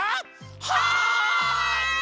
はい！